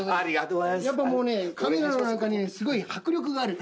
やっぱもうカメラの中にすごい迫力がある。